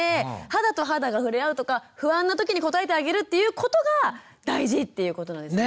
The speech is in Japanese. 肌と肌が触れ合うとか不安な時に応えてあげるっていうことが大事っていうことなんですね。